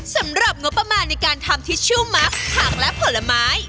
สำหรับงบประมาณในการทำทิชชู่มักผักและผลไม้